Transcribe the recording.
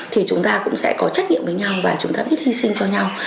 thì chúng ta cũng sẽ có trách nhiệm với nhau và chúng ta ít hy sinh cho nhau